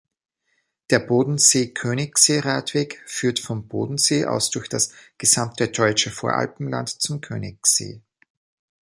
Der Bodensee-Königssee-Radweg führt vom Bodensee aus durch das gesamte deutsche Voralpenland zum Königssee.